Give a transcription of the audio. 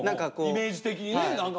イメージ的にね何か。